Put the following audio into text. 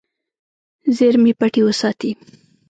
زیرمې پټې وساتې.